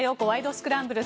スクランブル」。